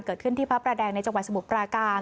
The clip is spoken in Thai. เกิดขึ้นที่พระประแดงในจังหวัดสมุทรปราการ